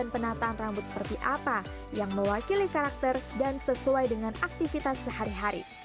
dan juga menentukan rambut seperti apa yang mewakili karakter dan sesuai dengan aktivitas sehari hari